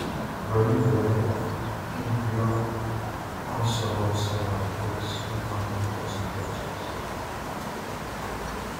Bernie Bedore of Arnprior also wrote several books recounting Joe's adventures.